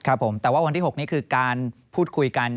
ครับผมแต่ว่าวันที่๖นี้คือการพูดคุยกัน